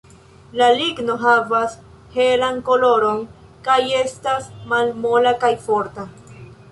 La ligno havas helan koloron, kaj estas malmola kaj forta.